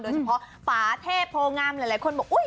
โดยเฉพาะป๋าเทพโพงงามหลายคนบอก